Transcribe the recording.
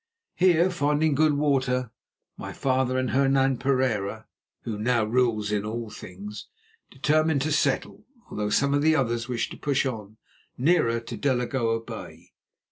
Here, finding good water, my father and Hernan Pereira, who now rules him in all things, determined to settle, although some of the others wished to push on nearer to Delagoa Bay.